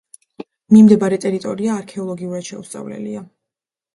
მიმდებარე ტერიტორია არქეოლოგიურად შეუსწავლელია.